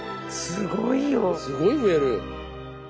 すごい増える。